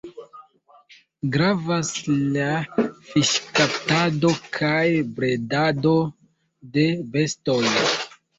Gravas la fiŝkaptado kaj bredado de bestoj.